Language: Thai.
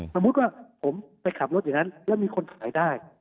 สมมุติว่าผมไปขับรถอย่างนั้นแล้วมีคนขายได้